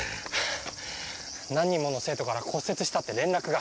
何人もの生徒から骨折したって連絡が。